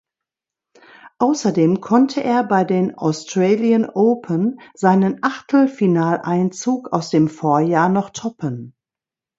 Außerdem konnte er bei den Australian Open seinen Achtelfinaleinzug aus dem Vorjahr noch toppen.